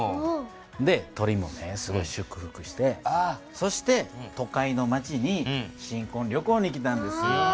で鳥もすごい祝福してそして都会の町に新こん旅行に来たんですよ。